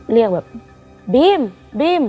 เรียกแบบบีมบีม